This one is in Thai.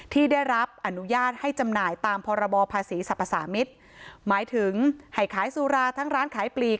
ที่ได้รับอนุญาตให้จำหน่ายตามพรบภาษีสรรพสามิตรหมายถึงให้ขายสุราทั้งร้านขายปลีก